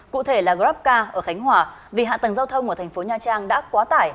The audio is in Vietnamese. cụ thể là grabcar ở khánh hòa vì hạ tầng giao thông ở thành phố nha trang đã quá tải